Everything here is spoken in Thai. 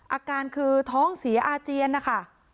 อาการคือท้องเสียอาเจียนนะคะ